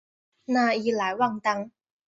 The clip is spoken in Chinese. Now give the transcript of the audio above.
讷伊莱旺丹。